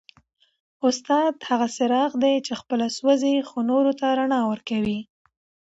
استاد هغه څراغ دی چي خپله سوځي خو نورو ته رڼا ورکوي.